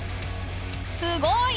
すごい！